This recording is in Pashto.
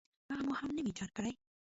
هغه مو هم نوي جان کړې.